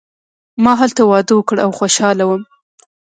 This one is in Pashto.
ما هلته واده وکړ او خوشحاله وم.